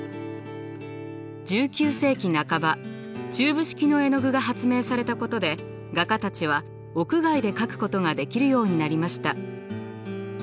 １９世紀半ばチューブ式の絵の具が発明されたことで画家たちは屋外で描くことができるようになりました。